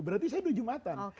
berarti saya udah jumatan